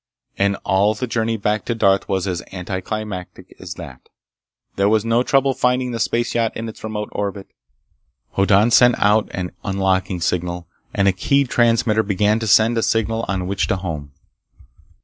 And all the journey back to Darth was as anticlimactic as that. There was no trouble finding the space yacht in its remote orbit. Hoddan sent out an unlocking signal, and a keyed transmitter began to send a signal on which to home.